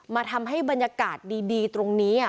ทำให้บรรยากาศดีตรงนี้